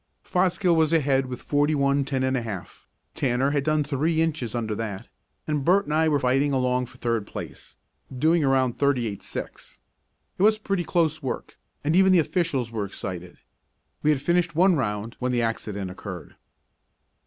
Fosgill was ahead with forty one, ten and a half, Tanner had done three inches under that, and Burt and I were fighting along for third place, doing around thirty eight, six. It was pretty close work, and even the officials were excited. We had finished one round when the accident occurred.